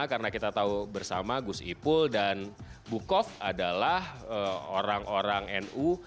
karena kita tahu bersama gus ipul dan bukov adalah orang orang nu